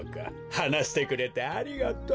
はなしてくれてありがとう。